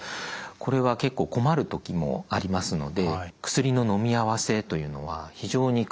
これは結構困る時もありますので薬ののみ合わせというのは非常に工夫が必要になってきます。